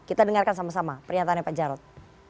kita dengarkan sama sama pernyataannya pak jarod